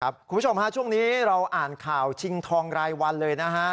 คุณผู้ชมฮะช่วงนี้เราอ่านข่าวชิงทองรายวันเลยนะฮะ